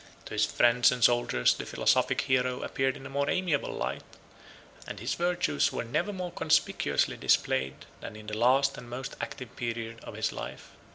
58 To his friends and soldiers the philosophic hero appeared in a more amiable light; and his virtues were never more conspicuously displayed, than in the last and most active period of his life.